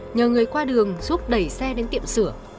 nhờ người qua đường giúp đẩy xe đến tiệm sửa